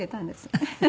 フフフフ。